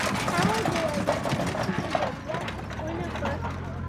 هغوی د یوې پرېکړې جرئت ونه کړ.